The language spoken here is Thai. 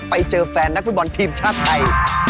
ไปเจอแฟนนักฟุตบอลทีมชาติไทย